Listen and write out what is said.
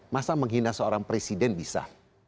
masa menghina seorang presiden bisa